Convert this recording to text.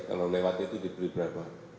kalau lewat itu diberi berapa